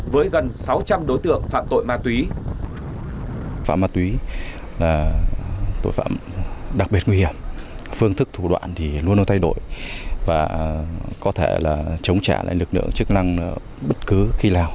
với gần sáu trăm linh đối tượng phạm tội ma túy